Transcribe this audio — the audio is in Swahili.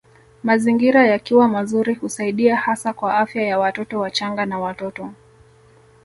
Mazingira yakiwa mazuri husaidia hasa kwa afya ya watoto wachanga na watoto